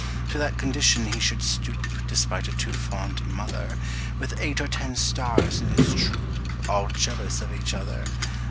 To that condition he should stoop (Despite a too fond mother), With eight or ten "stars" in his troupe, All jealous of each other!